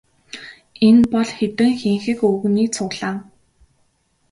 Энэ бол хэдэн хэнхэг өвгөний цуглаан.